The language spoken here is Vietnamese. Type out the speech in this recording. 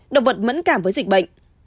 động vật mẫn cảm với dịch bệnh